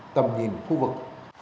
tầm nhìn khu vực